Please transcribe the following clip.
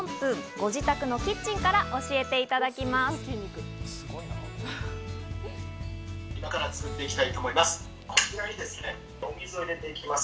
ご自宅のキッチンから教えていただきます。